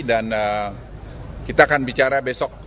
dan kita akan bicara besok